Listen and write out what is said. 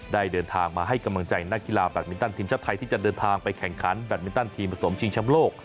เดินทางมาให้กำลังใจนักกีฬาแบตมินตันทีมชาติไทยที่จะเดินทางไปแข่งขันแบตมินตันทีมผสมชิงช้ำโลก